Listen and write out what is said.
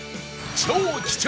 超貴重！